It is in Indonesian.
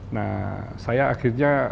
nah saya akhirnya